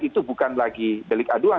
itu bukan lagi delik aduan